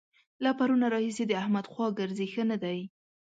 له پرونه راهسې د احمد خوا ګرځي؛ ښه نه دی.